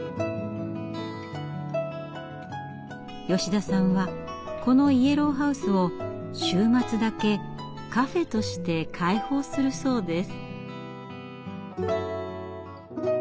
吉田さんはこのイエローハウスを週末だけカフェとして開放するそうです。